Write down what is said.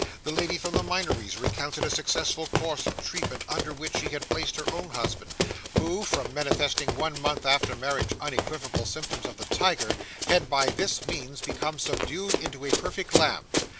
The lady from the Minories recounted a successful course of treatment under which she had placed her own husband, who, from manifesting one month after marriage unequivocal symptoms of the tiger, had by this means become subdued into a perfect lamb.